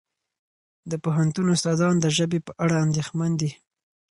د پوهنتون استادان د ژبې په اړه اندېښمن دي.